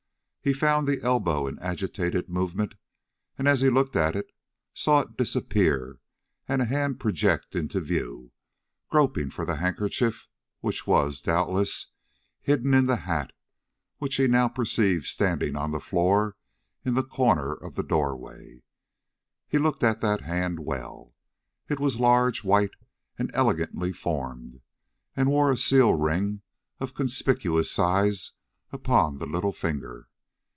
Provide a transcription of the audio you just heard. He found the elbow in agitated movement, and, as he looked at it, saw it disappear and a hand project into view, groping for the handkerchief which was, doubtless, hidden in the hat which he now perceived standing on the floor in the corner of the door way. He looked at that hand well. It was large, white, and elegantly formed, and wore a seal ring of conspicuous size upon the little finger.